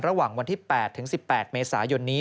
ระหว่างวันที่๘ถึง๑๘เมษายนนี้